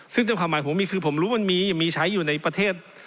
ซึ่งตามความหมายผมมีคือผมรู้มันมีมีใช้อยู่ในประเทศ